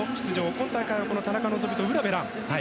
今大会の田中希実と卜部蘭